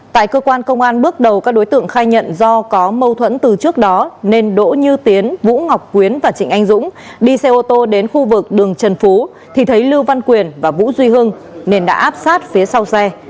tại cơ quan công an bước đầu các đối tượng khai nhận do có mâu thuẫn từ trước đó nên đỗ như tiến vũ ngọc quyến và trịnh anh dũng đi xe ô tô đến khu vực đường trần phú thì thấy lưu văn quyền và vũ duy hưng nên đã áp sát phía sau xe